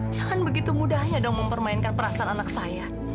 jangan begitu mudahnya dong mempermainkan perasaan anak saya